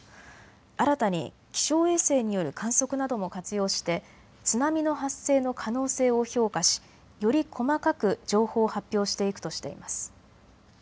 新たに気象衛星による観測なども活用して津波の発生の可能性を評価し、より細かく情報を発表していくとしています。